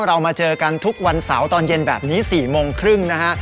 เรามาเจอกันทุกวันเสาร์ตอนเย็นแบบนี้๔โมงครึ่งนะฮะ